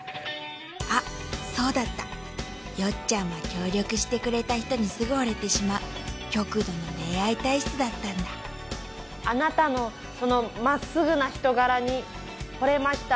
あっそうだったヨッちゃんは協力してくれた人にすぐほれてしまう極度の恋愛体質だったんだあなたのそのまっすぐな人柄にほれました